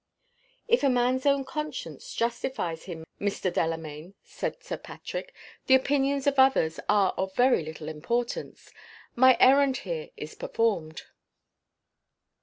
"If a man's own conscience justifies him, Mr. Delamayn," said Sir Patrick, "the opinions of others are of very little importance. My errand here is performed."